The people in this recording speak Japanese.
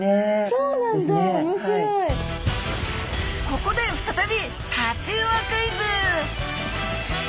ここで再びタチウオクイズ！